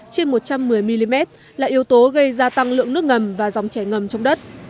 trên một trăm một mươi mm là yếu tố gây gia tăng lượng nước ngầm và dòng chảy ngầm trong đất